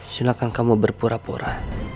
silahkan kamu berpura pura